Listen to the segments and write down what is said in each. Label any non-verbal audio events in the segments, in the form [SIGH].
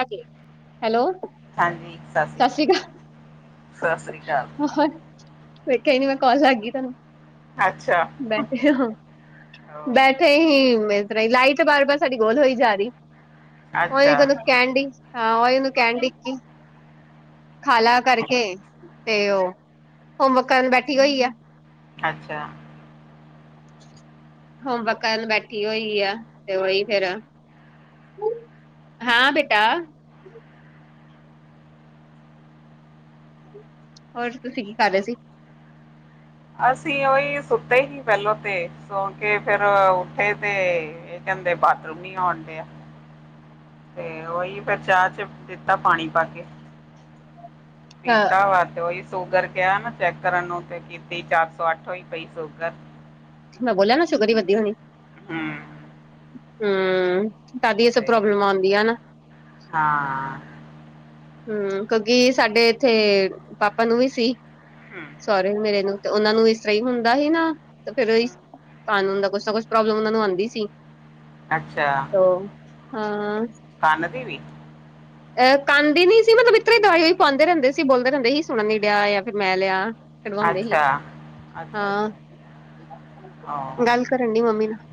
Hello ਹਾਂਜੀ, ਸਸ ਰੀ ਸਤਿ ਸ਼੍ਰੀ ਕਾਲ, ਸਸ ਰੀ ਕਾਲ। ਹਾਏ! ਵੇਖਿਆ ਈ ਨੀ ਮੈਂ, ਕੌਲ ਲੱਗ ਗਈ ਤੁਹਾਨੂੰ। ਅੱਛਾ। ਬੈਠੇ ਹਾਂ ਬੈਠੇ ਹੀ ਇਸ ਤਰ੍ਹਾਂ ਹੀ, ਲਾਈਟ ਬਾਰ- ਬਾਰ ਸਾਡੀ ਗੋਲ ਹੋਈ ਜਾ ਰਹੀ। ਅੱਛਾ ਉਹਨੂੰ ਕਹਿਣ ਡਈ, ਹਾਂ ਓਨੂੰ ਕਹਿਣ ਡਈ ਸੀ, ਖਾਲਾ ਕਰ ਕੇ ਤੇ ਉਹ ਹੋਮਵਰਕ ਕਰਨ ਬੈਠੀ ਹੋਈ ਆ। ਅੱਛਾ। ਹੋਮ ਵਰਕ ਕਰਨ ਬੈਠੀ ਹੋਈ ਆ, ਤੇ ਉਹੀ ਫੇਰ ਹਾਂ ਬੇਟਾ ਹੋਰ ਤੁਸੀਂ ਕੀ ਕਰ ਰਹੇ ਸੀ। ਅਸੀਂ ਓਹੀ ਸੁੱਤੇ ਸੀ ਪਹਿਲੋਂ ਤੇ, ਸੌਂ ਕੇ ਫੇਰ ਉੱਠੇ ਤੇ ਇਹ ਕਹਿੰਦੇ ਬਾਥਰੂਮ ਨੀ ਆਉਣ ਡਿਆ। ਤੇ ਉਹੀ ਫੇਰ ਚਾਹ ਚ ਦਿੱਤਾ, ਪਾਣੀ ਪਾ ਕੇ। ਹਾਂ ਪੀਤਾ ਵਾ, ਤੇ ਉਹੀ ਸ਼ੂਗਰ ਕਿਹਾ ਨਾ ਚੈੱਕ ਕਰਨ ਨੂੰ, ਤੇ ਕੀਤੀ ਚਾਰ ਸੌ ਅੱਠ ਹੋਈ ਪਈ ਸ਼ੂਗਰ। ਮੈਂ ਬੋਲਿਆ ਨਾ, ਸੂਗਰ ਈ ਵੱਧੀ ਹੋਣੀ। ਹੂੰ, ਹੂੰ, ਸਾਡੀ ਇਹ ਸਭ ਤੇ ਪ੍ਰੋਬਲਮ ਆਂਦੀ ਆ ਨਾ। ਹਾਂ। ਹੂੰ, ਕਿਉਂਕਿ ਸਾਡੇ ਇੱਥੇ ਪਾਪਾ ਨੂੰ ਵੀ ਸੀ, ਸੋਰੇ ਨੂੰ ਮੇਰੇ ਨੂੰ। ਤੇ ਉਹਨਾਂ ਨੂੰ ਇਸ ਤਰ੍ਹਾਂ ਹੀ ਹੁੰਦਾ ਸੀ ਨਾ, ਤੇ ਫੇਰ ਉਹੀ। ਖਾਣ ਨੂੰ ਹੁੰਦਾ, ਕੁਛ ਨਾ ਕੁਛ ਪ੍ਰੋਬਲਮ ਉਹਨਾਂ ਨੂੰ ਆਂਦੀ ਸੀ। ਅੱਛਾ, ਉਹ ਹਾਂ ਕੰਨ ਦੀ ਵੀ। ਅਹ ਕੰਨ ਦੀ ਨੀ ਸੀ ਮਤਲਬ ਇਤਰਾਂ ਹੀ ਦਵਾਈਆਂ ਪਾਉਂਦੇ ਰਹਿੰਦੇ ਸੀ, ਬੋਲਦੇ ਰਹਿੰਦੇ ਸੀ, ਸੁਣਨ ਨੀ ਡਿਆ, ਜਾਂ ਫਿਰ ਮੈਂ ਲਿਆ। ਕਢਵਾਉਂਦੇ ਸੀ, ਅੱਛਾ ਅੱਛਾ ਹਾਂ ਅੱਛਾ ਗੱਲ ਕਰਨ ਡਈ ਮੰਮੀ ਨਾਲ।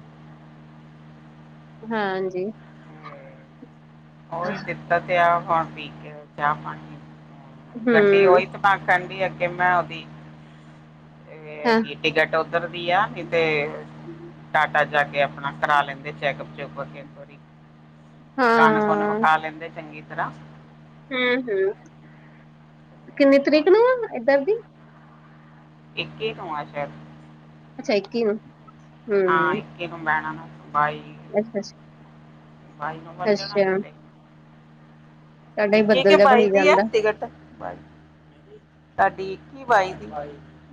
ਹਾਂ ਜੀ। ਤੇ ਉਹੀ ਦਿੱਤਾ ਤੇ ਆ ਹੁਣ ਪੀ ਕੇ ਚਾਹ ਪਾਣੀ, ਗੱਡੀ ਹਮ ਉਹੀ ਤੇ। ਤਾਂ ਕਣ ਦੀ ਅੱਗੇ ਮੈਂ ਉਹਦੀ, ਇਹ ਹਾਂ ਹੈਗੀ। ਟਿਕਟ ਉੱਧਰ ਦੀ ਆ, ਨਹੀਂ ਤੇ ਟਾਟਾ ਜਾ ਕੇ ਆਪਣਾ ਕਰਾ ਲੈਂਦੇ, ਚੈਕਅਪ ਚੁਕਅਪ ਕੇ ਇੱਕ ਵਾਰੀ। ਕੰਨ ਹੂੰ। ਕੁੰਨ ਵਿਖਾ ਲੈਂਦੇ ਚੰਗੀ ਤਰ੍ਹਾਂ। ਹੂੰ-ਹੂੰ, ਕਿੰਨੀ ਤਰੀਕ ਨੂੰ ਉਹੀ। ਐ ਏਧਰ ਦੀ। ਇੱਕੀ ਨੂੰ ਆ ਸ਼ੈਦ। ਅੱਛਾ ਇੱਕੀ ਨੂੰ। ਹਾਂ, ਇੱਕੀ ਨੂੰ ਬੈਨਾ ਨਾ ਬਾਈ। ਅੱਛਾ-ਅੱਛਾ! ਬਾਈ ਨੂੰ ਹੁਣ ਜਾਣਾ ਕਿਤੇ। ਸਾਡਾ ਹੀ ਇੱਕੀ ਬੱਦਲ ਕਿ ਜਿਹਾ ਬਾਈ ਬਣੀ ਦੀ ਐ ਜਾਂਦਾ ਟਿਕਟ, ਬਾਈ। ਤੁਹਾਡੀ, ਇੱਕੀ, ਬਾਈ ਦੀ,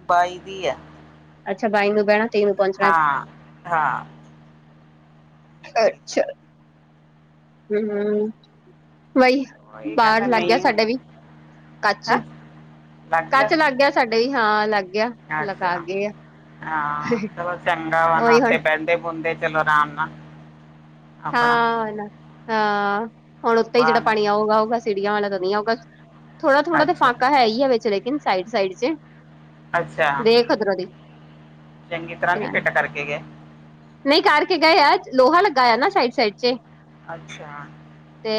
ਬਾਈ ਦੀ ਐ। ਅੱਛਾ, ਬਾਈ ਨੂੰ ਬਹਿਣਾ। ਤੇਈ ਨੂੰ ਪਹੁੰਚਣਾ ਇੱਥੇ ਹਾਂ, ਅ ਹਾਂ। ਬਾਈ ਅੱਛਾ! ਤਰੀਕ ਹੂੰ! ਹੂੰ! ਵਈ। ਉਹ ਇਹ ਬਾਹਰ ਕਹਿੰਦਾ ਲੱਗ ਗਿਆ ਨਹੀਂ ਸਾਡੇ ਵੀ, ਕੱਚ। ਹੈ ਕੱਚ ਲੱਗ ਗਿਆ ਸਾਡੇ ਹੀ, ਹਾਂ, ਲੱਗ ਗਿਆ, ਲਗਾ ਅੱਛਾ ਗਏ ਐ। ਹਾਂ! ਚਲੋ ਚੰਗਾ ਵਾ ਨਾ, ਹੁਣ ਆਪੇ ਬਹਿੰਦੇ ਬੂੰਦੇ, ਚਲੋ ਆਰਾਮ ਨਾਲ। ਆਪਣਾ ਹਾਂ! ਐ ਨਾ ਹਾਂ! ਹੁਣ ਉਤੇ ਹੀ ਜਿਹੜਾ ਪਾਣੀ ਬਾਹਰ ਆਊਗਾ ਆਊਗਾ, ਸੀੜੀਆਂ ਵਾਲਾ ਤਾਂ ਨੀ ਆਊਗਾ। ਥੋੜਾ - ਥੋੜਾ ਤਾਂ ਅੱਛਾ ਫਾਕਾ ਹੈ ਹੀ ਐ ਵਿਚ, ਲੇਕਿਨ ਸਾਈਡ ਸਾਈਡ ਚ ਅੱਛਾ ਦੇਖ ਓਧਰੋ ਦੀ, ਏਨਾਂ ਨੂੰ ਠੀਕ ਐ ਨਹੀਂ ਕਰਕੇ ਗਏ ਅਜ, ਲੋਹਾ ਲੱਗਾ ਆ ਨਾ ਸਾਈਡ ਸਾਈਡ ਚ। ਅੱਛਾ। ਤੇ।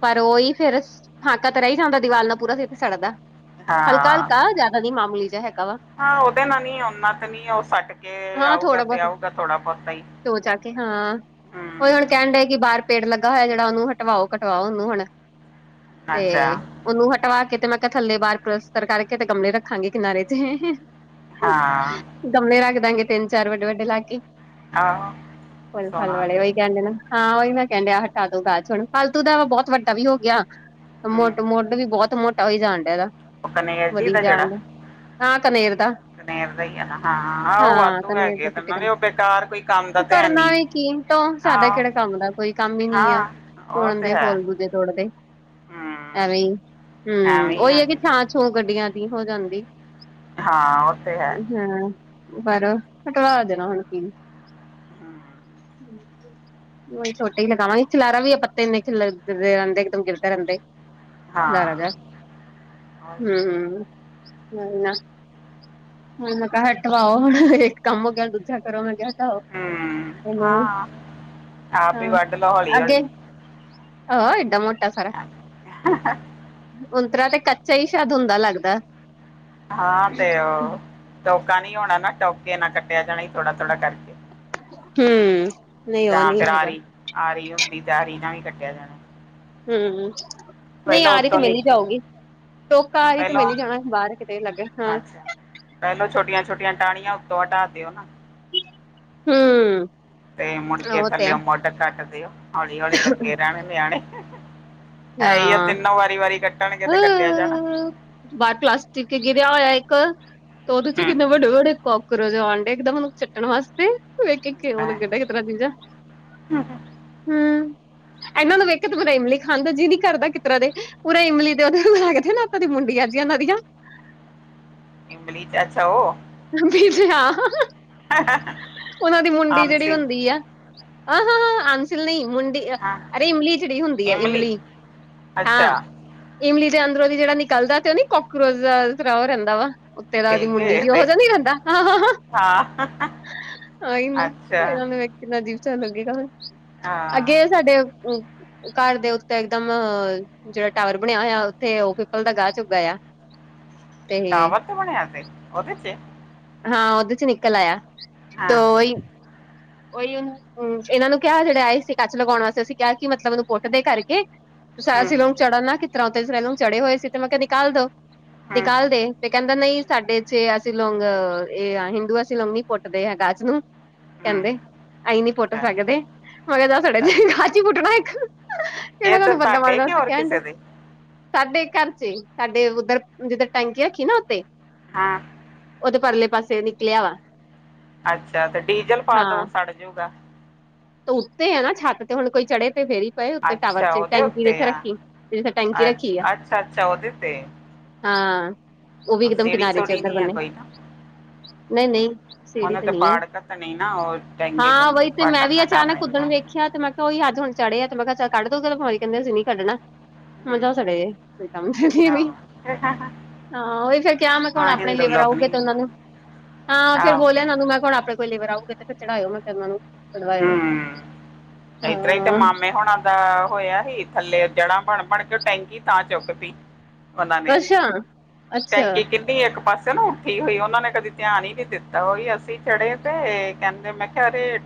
ਪਰ, ਉਹੀ ਫਿਰ ਹਾਕਾ ਤਾਂ ਰਹਿ ਹੀ ਜਾਂਦਾ ਦੀਵਾਲ ਨਾਲ, ਪੂਰਾ ਸਿਰ ਫਿਰ ਸੜਦਾ। ਹਲਕਾ - ਹਾਂ ਹਲਕਾ, ਜਿਆਦਾ ਨੀ, ਮਾਮੂਲੀ ਜਿਯਾ ਹੈਗਾ ਵਾ। ਹਾਂ! ਉਹਦੇ ਨਾ ਨੀ, ਓਹਨਾਂ ਤੇ ਨੀ, ਉਹ ਸੱਟ ਕੇ ਆਊਗਾ ਤੇ ਆਊਗਾ ਥੋੜਾ ਬਹੁਤਾ ਹੀ। ਦੋ ਜਾ ਕੇ, ਹਾਂ। ਔ ਹੂੰ ਜੇੜਾ ਕਹਿ ਡਏ ਕੇ ਬਾਹਰ ਪੇੜ ਲੱਗਾ ਹੋਇਆ, ਜਿਹੜਾ ਉਹਨੂੰ ਹਟਵਾਓ ਕਟਵਾਓ, ਉਹਨੂੰ ਹੁਣ। ਤੇ ਅੱਛਾ ਏ ਉਹਨੂੰ ਹਟਵਾ ਕੇ ਤੇ, ਮੈਂ ਕਿਹਾ ਥੱਲੇ ਬਾਹਾਰ ਪਲਤਸਰ ਕਰਕੇ, ਤੇ ਗਮਲੇ ਰੱਖਾਂਗੇ ਕਿਨਾਰੇ ਤੇ, ਹੂੰ! ਹੂੰ! ਹਾਂ ਆ ਗਮਲੇ ਰੱਖ ਦਾਂਗੇ ਤਿੰਨ ਚਾਰ ਵੱਡੇ-ਵੱਡੇ ਲਾਕੇ, ਆਹੋ ਫੁੱਲ ਸੋਹਣਾ ਫਲ ਆ ਵਾਲੇ ਜਾਏਗਾ। ਹੋਈ ਕਹਿਦੇ ਨਾ। ਹਾਂ! ਉਹੀ ਮੈਂ ਕਹਿੰਨ ਡਿਆ ਹਟਾ ਦੋ ਗਾਚ ਹੁਣ, ਫਾਲਤੂ ਦਾ ਐਵੇਂ ਬਹੁਤ ਵੱਡਾ ਵੀ ਹੋ ਗਿਆ। ਮੁੱਢ ਹੂੰ ਮੁੱਢ ਵੀ ਬਹੁਤ ਮੋਟਾ ਹੋਈ ਜਾਣ ਡਿਆ, ਇਹਦਾ। ਉਹ ਕਨੇਰ ਜੀ ਵਧੀ ਦਾ ਜੇੜਾ। ਜਾਣ ਡਿਆ ਹਾਂ ਕਨੇਰ ਦਾ ਕਨੇਰ ਦਾ ਹੀ ਹੈ ਨਾ। ਹਾਂ, ਉਹ ਵਾਧੂ ਕਨੇਰ ਹੈਗੇ ਦਾ ਤੇ, ਚਿੱਟੇ ਨਾਲੇ ਉਹ ਕਨੇਰ ਬੇਕਾਰ ਕੋਈ, ਕੰਮ ਦਾ ਤੇ ਹੈ ਕਰਨਾ ਨਹੀਂ ਵੀ ਕੀ ਓਹ ਤੋਂ, ਸਾਡਾ ਆਹੋ ਕਿਹੜਾ ਕੰਮ ਦਾ, ਕੋਈ ਕੰਮ ਹੀ ਨੀ ਐ। ਹਾਂ ਉਹ ਤੋੜਨ ਤੇ ਦੇ, ਹੈ ਫੁੱਲ ਦੂਜੇ ਤੋੜਦੇ। ਹੂੰ ਐਵੇਂ ਹੀ ਹੂੰ! ਐਵੇਂ ਹੀ ਉਹੀ ਆ ਹੈ, ਕਿ ਛਾਂ ਛੂੰ ਗੱਡਿਆਂ ਦੀ, ਹੋ ਜਾਂਦੀ। ਹਾਂ ਉਹ ਤੇ ਹੈ ਅ ਹਾ! ਬਾਹਰੋਂ ਹਟਵਾ ਦੇਣਾ ਹੁਣ। ਹੂ ਹੂੰ, ਓਹ ਛੋਟੇ ਹੀ ਲਗਾਵਾਂ ਗੇ, ਖਿਲਾਰਾ ਵੀ ਆ ਪੱਤੇ ਇੰਨੇ ਖਿਲਰ ਰਹਿੰਦੇ, ਇੱਕ ਦਮ ਗਿਰਦੇ ਰਹਿੰਦੇ। ਹਾਂ ਖਿਲਾਰਾ ਜੇਹਾ, ਹੂੰ! ਹੂੰ! ਹਾ! ਨਾ! ਹੁਣ ਤਾਂ ਹਟਵਾਓ, ਇੱਕ ਕੰਮ ਹੋ ਗਿਆ, ਹੁਣ ਦੂਜਾ। ਝੱਟ ਕਰੋ ਮੈ ਕਹਿ ਤਾਂ ਔ, ਹੂੰ ਹੈਲੋ, ਹਾਂ ਆਪ ਹੀ ਹਾਂ! ਵੱਢ ਲਓ ਹੌਲੀ ਅੱਗੇ? ਹੌਲੀ ਆਹ! ਏਡਾ ਮੋਟਾ ਸਾਰਾ। ਉੰਤਰਾ ਤੇ ਕੱਚਾ ਹੀ ਸ਼ਾਇਦ ਹੁੰਦਾ ਲੱਗਦਾ। ਹਾਂ! ਤੇ ਉਹ ਟੋਕਾ ਨੀ ਹੋਣਾ ਨਾ, ਟੋਕੇ ਨਾਲ ਕੱਟਿਆ ਜਾਣਾ ਇ, ਥੋੜਾ ਥੋੜਾ ਕਰਕੇ। ਹੂੰ! ਜਾਂ ਫਿਰ ਆਰੀ- ਆਰੀ ਹੁੰਦੀ, ਤੇ ਆਰੀ ਨਾਲ ਵੀ ਕੱਟਿਆ ਜਾਣਾ। ਹੂੰ ਹੂ ਨਹੀਂ! ਪਹਿਲਾਂ ਆਰੀ ਤੇ ਉੱਤੋਂ ਮਿਲ ਹੀ ਜਾਊਗੀ, ਨਿੱਕੀਆਂ ਟੋਕਾ ਆਰੀ ਤੇ ਮਿਲ ਪਹਿਲਾਂ ਹੀ ਜਾਣਾ ਬਾਹਰ ਕਿਤੇ ਲਾਗੇ, ਹੂੰ! ਪਹਿਲੋ ਛੋਟਿਆਂ ਛੋਟਿਆਂ ਟਾਹਣਿਆਂ, ਉਤੋਂ ਹਟਾ ਦਿਓ ਨਾਂ ਹੂ ਤੇ ਮੁੜਕੇ ਥੱਲਿਓ ਮੂਡ ਕਾਟ ਦਿਓ, ਹੌਲੀ ਹੌਲੀ ਲੱਗੇ ਰਹਿਣੇ ਨਿਆਣੇ ਹੈ ਹੀ, ਔ ਹਾਂ ਤਿੰਨੋ ਵਾਰੀ ਵਾਰੀ ਕੱਟਣਗੇ, ਅ ਤੇ ਕੱਟਿਆ ਜਾਣਾ ਏ। ਬਾਹਰ ਪਲਾਸਟਿਕ ਗਿਰਿਆ ਹੋਇਆ ਇੱਕ, ਤੇ ਉਹਦੇ ਚ ਹੂੰ ਕਿੰਨੇ ਵੱਡੇ ਵੱਡੇ ਕੋਕਰੋਚ ਕੋਕਰੋਚ ਆਉਣ ਡੇ, ਇੱਕਦਮ ਚੱਟਣ ਵਾਸਤੇ, ਵੇਖੀ ਉਹ ਲੈ ਲੱਗੇ ਗਾ ਤੇਰਾ ਜੀਜਾ, ਹੂ, ਇਹਨਾਂ ਨੂੰ ਵੇਖ ਕੇ, ਤੇ ਮੇਰਾ ਇਮਲੀ ਖਾਂਦੇ ਜੀ ਨੀ ਕਰਦਾ ਕਿਸ ਤਰ੍ਹਾਂ ਦੇ ਪੂਰਾ ਇਮਲੀ ਦੇ ਉਹਦੇ ਲੱਗਦੇ ਨਾ ਤਾਂ ਦੀ ਮੁੰਡੀਆਂ ਜੀ ਉਹਨਾਂ ਦੀਆਂ ਗਲ਼ੀ ਚੱ ਅੱਛਾ ਉਹ ਜੀ ਜੀ ਹਾਂ ਉਹਨਾਂ ਦੀ ਮੁੰਡੀ ਆਮ ਜਿਹੜੀ ਸੀ ਹੁੰਦੀ ਆ ਆਹ ਹਾਂ ਹਾਂ ਆਸੀਂਲ ਨਹੀਂ ਮੁੰਡੀ ਹਾਂ ਅਰੇ ਇਮਲੀ ਜਿਹੜੀ ਹੁੰਦੀ ਹੈ ਇਮਲੀ ਅੱਛਾ ਹਾਂ ਇਮਲੀ ਦੇ ਅੰਦਰੋਂਦੀ ਜਿਹੜਾ ਨਿਕਲਦਾ ਤੇ ਉਹ ਨੀ ਕਾਕਰੋਚ ਦੀ ਤਰਾਂ ਉਹ ਰਹਿੰਦਾ ਵਾ ਉੱਤੇੇ ਦਾ ਉਹਦੀ ਮੁੰਡੀ ਛਿਲਕੇ ਨੀ ਦੇ ਖਦਾਹੀ ਹਾਂ ਨਾ ਅੱਛਾ [UNINTELLIGIBLE] ਕਿੰਨਾ ਅਜੀਬ ਜਾ ਲੱਗੇਗਾ ਹੁਣ ਹਾਂ ਅੱਗੇ ਸਾਡੇ ਘਰ ਦੇ ਉੱਤੇ ਇੱਕਦਮ ਜਿਹੜਾ ਟਾਵਰ ਬਣਿਆ ਹੋਇਆ ਉੱਥੇ ਉਹ ਪੀਪਲ ਦਾ ਘਾਸ ਉਗ ਆਇਆ ਦਾਅਵਤ ਬਣਿਆ ਫਿਰ ਉਹਦੇ 'ਚ ਹਾਂ! ਉਹਦੇ 'ਚ ਨਿਕਲ ਆਇਆ। ਹਾਂ ਤੋਂ ਉਹੀ, ਉਹੀ ਉਹਨੂੰ, ਹੂੰ! ਇਹਨਾਂ ਨੂੰ ਕਿਹਾ ਜਿਹੜੇ ਆਏ ਸੀ ਕੱਚ ਲਗਾਉਣ ਵਾਸਤੇ, ਅਸੀਂ ਕਿਹਾ ਕਿ ਮਤਲਬ ਉਹਨੂੰ ਪੁੱਠ ਦੇ ਕਰਕੇ, ਸ ਹੂੰ ਅਸੀ ਲੋਗ ਚੜਨ ਨਾ ਕਿਤ ਤਰ੍ਹਾਂ ਉਤੇ ਸਿਰੇ ਨੂੰ ਚੜੇ ਹੋਏ ਸੀ। ਤੇ ਮੈਂ ਕਿਹਾ ਨਿਕਾਲ ਦੋ। ਹੂੰ ਨਿਕਾਲਦੇ ਤੇ ਕਹਿੰਦਾ ਨਹੀਂ ਸਾਡੇ ਚੇ ਅਸੀਂ ਲੌਂਗ ਇਹ ਆ ਹਿੰਦੂ ਅਸਲਮ ਪੁੱਟਦੇ ਆ ਗਾਛ ਨੂੰ ਹੂੰ ਕਹਿੰਦੇ ਅਸੀਂ ਨੀ ਪੁੱਟ ਅੱਛਾ ਸਕਦੇ ਮੈਂ ਕਿਹਾ ਦਸ ਤਾਂ ਤੁਹਾਡੇ ਖਾ ਪੁੱਟਣਾ ਇੱਕ ਕਿਹੜਾ ਇਹ ਤਾਂ ਤੁਹਾਨੂੰ ਬੰਦਾ ਮਾਰਨ ਤੁਹਾਡੇ ਕਿ ਵਾਸਤੇ ਹੋਰ ਕਹਿਣ ਡੇ ਕਿਸੇ ਦੇ ਸਾਡੇ ਘਰ ਚ ਸਾਡੇ ਉੱਧਰ ਜਿੱਧਰ ਟੈਂਕੀ ਰੱਖੀ ਨਾ ਉੱਥੇ ਹਾਂ ਉਹ ਤੇ ਪਰਲੇ ਪਾਸੇ ਨਿਕਲਿਆ ਵਾ ਅੱਛਾ ਤੇ ਡੀਜ਼ਲ ਪਾ ਦੋ ਸੜ ਜੂਗਾ ਉਸਤੇ ਆਂ ਨਾ ਛੱਤ ਤੇ ਹੁਣ ਕੋਈ ਚੜ੍ਹੇ ਤੇ ਫਿਰ ਹੀ ਉੱਥੇ ਟਾਵਰ ਅੱਛਾ ਚ ਉਹਦੇ ਟੈਂਕੀ ਵੀ ਉੱਤੇ ਜਿਥੇ ਆ ਰੱਖੀ ਤੇ ਜਿੱਥੇ ਟੈਂਕੀ ਅੱਛ ਰੱਖੀ ਆ ਅੱਛਾ ਅੱਛਾ ਉਹਦੇ ਤੇ ਹਾਂ ਉਹ ਵੀ ਇਕ ਦਮ ਸੀੜੀ ਕਿਨਾਰੇ ਚ ਸੂੜੀ ਉੱਧਰ ਨਹੀਂ ਆ ਬਨੇ ਨਹੀਂ ਨਹੀਂ ਸੀੜੀ ਉਹਨੇ ਤੇ ਨਹੀਂ ਆ ਪਾੜ ਘੱਤਣੇ ਨਾ ਉਹ ਟੈਂਕੀ ਹਾਂ ਟੂਂਕੀ ਵਹੀ ਤੇ ਪਾਟ ਮੈਂ ਵੀ ਅਚਾਨਕ ਕੁੱਦਣ ਵੇਖ ਆਖਿਆ ਤੇ ਮੈਂ ਕਿਹਾ ਉਹੀ ਅੱਜ ਹੁਣ ਚੜਿਆ ਆ ਤੇ ਮੈਂ ਕਿਹਾ ਚ ਕੱ ਦਊਗਾ ਕਹਿੰਦੇ ਅਸੀਂ ਕੱਢਣਾ ਮਾਂ ਉਹ ਹਮ ਸੜੇ ਮੇਂ ਕੰਮ ਕਰਦੀ ਪਈ ਸੀ [UNINTELLIGIBLE] ਹਾਂ ਉਹੀ ਫਿਰ ਕਿਆ ਮੈਂ ਹੁਣ ਹਾਂ ਆਪਣੇ ਹਿੰਦੂ ਲੇਵਰ ਲੋਕ ਆਊਗੇ ਨਹੀਂ ਤੇ ਉਹਨਾਂ ਨੂੰ ਹਾਂ ਫਿਰ ਆਹੋ ਬੋਲਿਆ ਉਹਨਾਂ ਨੂੰ ਮੈਂ ਹੁਣ ਆਪਣੇ ਕੋਈ ਲੇਬਰ ਆਊਗੀ ਤੇ ਫਿਰ ਚੜਾਇਓ ਮੈਂ ਕਿਹਾ ਉਹਨਾਂ ਨੂੰ ਚੜਵਾਇਓ ਇਸ ਤਰਾਂ ਹੀ ਤੇ ਹਾਂ ਮਾਮੇ ਹੁਣ ਦਾ ਹੋਇਆ ਸੀ ਥੱਲੇ ਜੜ੍ਹਾਂ ਬਣ ਬਣ ਕੇ ਟੈਂਕੀ ਉਤਾਂ ਚੁੱਕ ਤੀ ਉਹਨਾਂ ਨੇ ਅੱਛਾ ਅੱਛਾ ਟੈਂਕੀ ਕੀ ਇੱਕ ਪਾਸੇ ਨਾ ਉੱਠੀ ਹੋਈ ਉਹਨਾ ਨੇ ਕਦੇ ਧਿਆਨ ਹੀ ਨੀ ਦਿੱਤਾ ਉਹੀ ਅਸੀਂ ਚੜੇ ਤੇ ਕਹਿੰਦੇ ਮੈਂ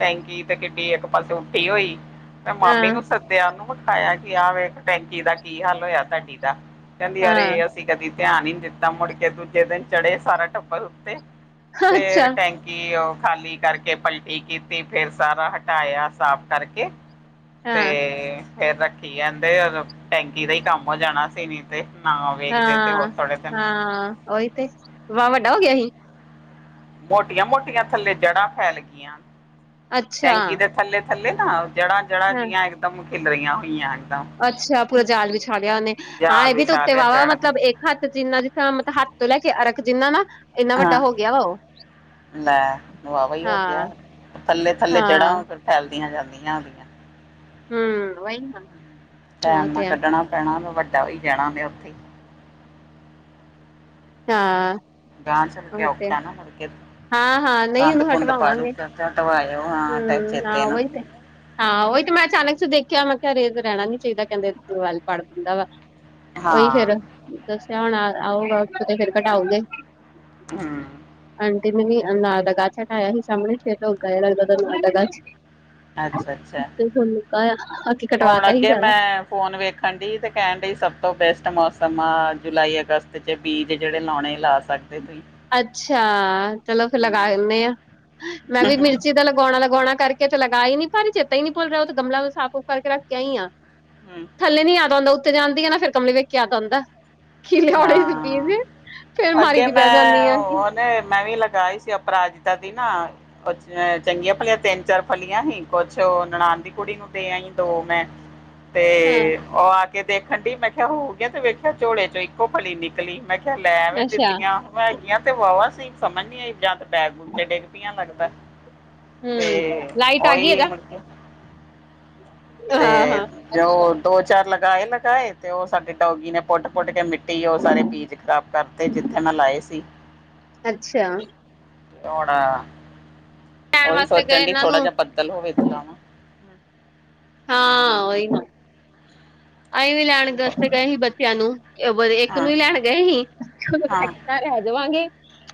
ਟੈਂਕੀ ਤੇ ਕਿੱਡੀ ਇੱਕ ਪਾਸੇ ਉੱਠੀ ਹੋਈ ਤੇ ਮਾਮੀ ਹਾਂ ਨੂੰ ਸਦਿਆ ਸਦਿਆ ਉਹਨੂੰ ਵਿਖਾਇਆ ਕਿ ਆਹ ਵੇਖ ਟੈਂਕੀ ਦਾ ਕੀ ਹਾਲ ਹੋਇਆ ਤੁਹਾਡੀ ਦਾ ਕਹਿੰਦੀ ਅਰੇ ਹਾਂ ਅਸੀਂ ਕਦੀ ਧਿਆਨ ਹੀ ਨਹੀਂ ਦਿੱਤਾ ਮੁੜ ਕੇ ਦੂਜੇ ਦਿਨ ਚੜ੍ਹੇ ਸਾਰਾ ਟੱਬਰ ਉੱਤੇ ਅੱਛਾ ਫਿਰ ਟੈਂਕੀ ਕਿ ਉਹ ਖਾਲੀ ਕਰਕੇ ਪਲਟੀ ਕੀਤੀ ਫਿਰ ਸਾਰਾ ਹਟਾਇਆ ਸਾਫ਼ ਕਰਕੇ ਤੇ ਹਾਂ ਫਿਰ ਰੱਖੀ ਜਾਂਦੇ ਟੈਂਕੀ ਦਾ ਹੀ ਕੰਮ ਹੋ ਜਾਣਾ ਸੀ ਨਹੀਂ ਨਾ ਵੇਖਦੇ ਤੇ ਹੋਰ ਹਾਂ ਥੋੜ੍ਹੇ ਦਿਨ ਹਾਂ ਉਹੀ ਤੇ ਵਾਵਾ ਵੱਡਾ ਹੋ ਗਿਆ ਸੀ ਮੋਟੀਆਂ ਮੋਟੀਆਂ ਥੱਲੇ ਜੜ੍ਹਾਂ ਫੈਲ ਗਈਆਂ ਅੱਛਾ ਟੈਂਕੀ ਦੇ ਥੱਲੇ ਥੱਲੇ ਨਾ ਜੜ੍ਹਾਂ ਜੜ੍ਹਾਂ ਹਾਂ ਜਿਹੀਆਂ ਇਕਦਮ ਖਿਲ ਰਹੀਆਂ ਹੋਈਆਂ। ਇੱਕਦਮ ਅੱਛਾ ਪੂਰਾ ਜਾਲ ਵਿ ਛਾ ਲਿਆ ਉਹਨੇ ਹਾਂ ਜਾਲ ਇਹ ਵੀ ਤੇ ਵਿਛਾ ਉੱਤੇ ਲਿਆ ਵਾਹ ਵਾ ਜੜ ਨੇ ਮਤਲਬ ਇੱਕ।। ਹੱਥ ਜਿੰਨਾ ਜਿੱਥਾਂ ਮਤਲਬ ਹੱਥ ਤੋਂ ਲੈ ਕੇ ਅਰਖ ਜਿੰਨਾ ਨਾ ਇੰਨਾ ਵੱਡਾ ਹੋ ਗਿਆ ਵਾ ਉਹ। ਮੈਂ ਵਾਹਵਾ ਹੀ ਹੋ ਗਿਆ ਹਾਂ ਥੱਲੇ- ਥੱਲੇ ਹਾਂ ਜੜਾ। ਫੈਲਦੀਆਂ ਜਾਂਦੀਆਂਦੀਆਂ ਹੋ ਗਈ ਆ। ਹਮ ਵਹੀ ਨਾ ਉਹ ਟੈਮ ਨਾਲ ਤੇ ਆ ਕੱਢਣਾ ਪੈਣਾ ਵੱਡਾ ਹੋ ਜਾਣਾ ਆਪੇ। ਹਾਂ। ਡਾਂਸ ਛੱਡ ਕੇ ਉਹ ਤੇ ਔਖਾ ਨਾ ਮੋਰ ਕੇ। ਹਾਂ-ਹਾਂ ਨਹੀਂ ਕੰਦ ਉਹਨੂੰ -ਕੁੰਦ ਪਾੜੂ ਹਟਵਾਵਾਂਗੇ ਚਰਚਾ ਧਵਾਇਓ ਆ ਹੂੰ ਹਾਂ ਚੇਤੇ ਨਾ। ਉਹੀ ਹਾਂ ਉਹੀ ਤੇ ਮੈਂ ਅਚਾਨਕ ਚ ਦੇਖਿਆ ਮੈਂ ਕਿਹਾ ਰੇਜਰ ਰਹਿਣਾ ਨੀ ਚਾਹੀਦਾ ਕਹਿੰਦੇ ਦੀਵਾਲ ਪੜ ਦਿੰਦਾ ਵਾ। ਉਹੀ ਹਾਂ ਫਿਰ ਦੱਸਿਆ ਹੁਣ ਆਊਗਾ ਉੱਥੋਂ ਤੇ ਫਿਰ ਘਟਾਓਗੇ। ਹੂ,,, ਆਂਟੀ ਨੇ ਵੀ ਅਨਾਜ ਦਾ ਗੜ ਹਟਾਇਆ ਸੀ ਸਾਹਮਣੇ ਫਿਰ [UNINTELLIGIBLE] ਅੱਛਾ ਅੱਛਾ ਤੇ ਫੁੱਲ ਉੱਗਿਆ ਹੋਇਆ ਬਾਕੀ ਕਟਵਾ ਹੁਣ ਦਿੱਤਾ ਸੀ ਅੱਗੇ ਸਾਰਾ। ਮੈਂ ਫੋਨ ਵੇਖਣ ਦੀ ਤੇ ਕਹਿਣ ਸਭ ਤੋਂ ਬੈਸਟ ਮੌਸਮ ਆ ਜੁਲਾਈ ਅਗਸਤ ਚ ਬੀਜ ਜਿਹੜੇ ਲਾਉਣੇ ਲਾਸਟ। ਪੜਦੇ ਕਈ ਅੱਛਾ ਚਲੋ ਫਿਰ ਲਗਾ ਲਦੇ ਹਾਂ ਮੈਂ ਵੀ ਮਿਲ। ਇਸ ਚੀਜ਼ ਦਾ ਲਗਾਉਣਾ ਲਗਾਉਣਾ ਕਰਕੇ ਤੇ ਲਗਾ ਹੀ ਨਹੀਂ ਪਰ ਹੀ ਚੇਤਾ ਹੀ ਨੀ ਭੁੱਲ ਰਿਹਾ ਉਹ ਤੇ ਗਮਲਾ ਸਾਫ਼ ਸੂਫ ਕਰਕੇ ਰੱਖ ਕੇ ਆਈ ਹਾਂ। ਹੂ,,, ਥਲੇ ਨਹੀਂ ਯਾਦ ਆਉਂਦਾ ਉੱਤੇ ਜਾਂਦੀ ਨਾ ਫਿਰ ਗਮਲੇ ਵੇਖ ਕੇ ਆ ਜਾਂਦਾ ਖਿਲਾਉਣੇ ਦੇ ਬੀ ਹਾਂ ਵੇ ਫਿਰ ਮਾਰੀ ਅੱਗੇ ਦੀ ਬੈਲ ਉਹਨੇ ਮੈਂ ਵੀ ਲਗਾਈ ਸੀ ਅਪਰਾਜਤਾ ਦੀ ਨਾ। ਕੁਛ ਚੰਗੀਆਂ ਫਲੀਆਂ ਤਿੰਨ ਚਾਰ ਫਲੀਆਂ ਹੀ ਕੁਛ ਨਨਾਨ ਦੀ ਕੁੜੀ ਨੂੰ ਦੇ ਆਈ ਹੀ ਦੋ ਮੈਂ। [INAUDIBLE] ਤੇ ਹਾਂ ਉਹ ਆ ਕੇ ਦੇਖਣ ਡੀ ਮੈਂ ਕਿਹਾ ਹੋ ਗਿਆ ਤੇ ਵੇਖਿਆ ਝੋਲੇ ਚੋਂ ਇੱਕੋ ਫਲੀ ਨਿਕਲੀ। ਮੈਂ ਕਿਹਾ ਲੈਵੇਂ ਅੱਛਾ ਦਿੱਤੀਆਂ ਮੈ ਆਂ ਤੇ ਵਾਹਵਾ ਸੀ ਸਮਝ ਨੀ ਜਦ। ਪੈਪ ਤੇ ਡਿੱਗ ਪੀਆਂ ਮਰਦਾ ਹੂੰ ਤੇ ਲਾਈਟ ਆ ਗਈ ਉਹੀ ਇਹਦਾ ਮਤਲਬ। ਹਾਂ ਹਾਂ ਤੇ ਅੱਛਾ ਉਹ ਦੋ ਚਾਰ ਲਗਾਏ ਲਗਾਏ ਤੇ ਉਹ ਸਾਡੇ ਡੌਗੀ ਨੇ। ਪੁੱਟ -ਪੁੱਟ ਕੇ ਮਿੱਟੀ ਉਹ ਸਾਰੇ ਬੀਜ ਖ਼ਰਾਬ ਕਰਤੇ ਜਿੱਥੇ ਮੈਂ ਲਾਏ ਸੀ। ਅੱਛਾ ਤੋਣ ਲੈਣ ਉਹੀ ਵਾਸਤੇ ਗਏ ਸੋਚਣ ਡੀ ਇਹਨਾਂ ਥੋੜਾ ਨੂੰ ਜਿਹਾ ਬੱਦਲ ਹੋਵੇ ਲਾਵਾਂ। ਹਾਂ ਉਹੀ ਨਾ ਅਸੀਂ ਵੀ ਲੈਣ ਦੱਸ ਗਏ ਸੀ ਬੱਚਿਆਂ ਨੂੰ। ਇੱਕ ਨੂੰ ਹਾਂ, ਹੀ ਲੈਣ ਗਏ ਸੀ ਹਾਂ, ਐਕਸਟਰਾ ਲੈ ਜਾਵਾਂਗੇ।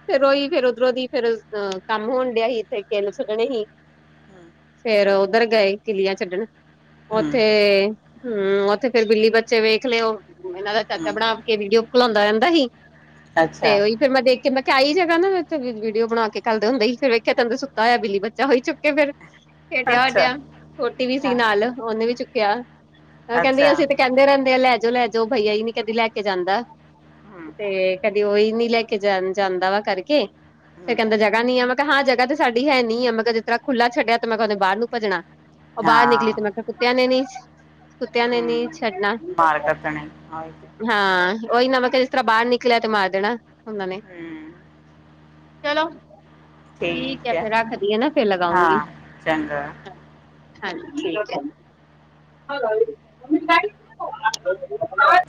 ਫਿਰ ਉਹੀ ਫਿਰ ਉਧਰੋਂ ਦੀ ਫਿਰ ਕੰਮ ਹੋਣ ਕਿਸੇ ਨੂੰ ਸਦਨੇ ਸੀ। ਫਿਰ ਉੱਧਰ ਗਏ ਕਿੱਲੀਆਂ ਛੱਡਣ। ਹੂੰ, ਉੱਥੇ ਹੂ ਉੱਥੇ ਫਿਰ ਬਿੱਲੀ ਬੱਚੇ ਵੇਖ ਲਿਓ ਇਹਨਾਂ ਦਾ ਚਾਚਾ ਹੂੰ, ਬਣਾ। ਵੀਡੀਓ ਖੁਲਾਉਂਦਾ ਰਹਿੰਦਾ ਸੀ ਤੇ ਅੱਛਾ, ਉਹੀ। ਫਿਰ ਦੇਖ ਮੈਂ ਕਿਹਾ ਆਈ ਜਗਾ ਨਾ ਵੀਡੀਓ ਬਣਾ ਕੇ ਕੁਲ ਦੇ ਹੁੰਦੇ ਸੀ ਫਿਰ ਵੇਖਿਆ ਤੈਨੂੰ ਸੁੱਤਾ ਹੋਇ ਬਿੱਲੀ ਬੱਚਾ ਹੋਈ ਚੁੱਕੇ ਫਿਰ। ਖੇਡਿਆ ਅੱਛਾ, ਵਡਿਆ ਛੋਟੀ ਵੀ ਸੀ ਹਾਂ, ਨਾਲ ਉਹਨੇ ਵੀ ਚੁੱਕਿਆ ਉਹ ਕਹਿੰਦੀ ਅੱਛਾ, ਅਸੀਂ ਤੇ। ਕਹਿੰਦੇ ਰਹਿੰਦੇ ਆ ਲੈ ਜਾਓ ਲੈ ਜਾਓ ਭਈਆ ਨੀ ਕਹਿੰਦੀ ਲੈ ਕੇ ਜਾਂਦਾ ਹੂੰ, ਤੇ। ਕਦੇ ਉਹੀ ਨੀ ਲੈ ਕੇ ਜਾਂਦਾ ਵਾ ਕਰਕੇ ਫਿਰ ਹੂੰ, ਕਹਿੰਦਾ। ਨੀ ਆ ਮੈਂ ਕਿਹਾ ਹਾਂ ਜਗ੍ਹਾ ਤੇ ਸਾਡੀ ਹੈ ਨੀ ਮੈਂ ਜਿਸਰ੍ਹਾਂ ਖੁੱਲਾ ਛੱਡਿਆ ਤਾਂ ਮੈਂ ਕਿਹਾ ਉਹੇ ਬਾਹਰ ਨੂੰ ਭਜਣਾ ਉਹ ਬਾਹਰ ਨਿਕਲ। ਹਾਂ, ਮਤਲ ਕੁੱਤਿਆਂ ਨੇ ਨੀ ਕੁੱਤਿਆਂ ਨੇ ਨੀ ਹੂੰ, ਛੱਡਣਾ। ਮਾਰ ਕੱਟਣੇ, ਉਹੀ ਤੇ, ਹਾਂ ਉਹੀ ਨਾ ਮੈਂ ਕਿਹਾ ਜਿਸ ਤਰ੍ਹਾਂ ਬਾਹਰ ਨਿਕਲਿਆ ਤੇ ਮਾਰ ਦੇਣਾ ਉਹਨਾਂ ਨੇ। ਹੂੰ, ਚਲੋ ਠੀਕ ਹੈ ਫਿਰ ਰੱਖ ਦੀਏ ਨਾ ਫਿਰ ਹਾਂ, ਲਗਾਉਂਗੀ। ਚੰਗਾ। ਹਾਂਜੀ। ਠੀਕ ਹੈ।